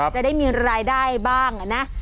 จะได้มีรายได้บ้างนะ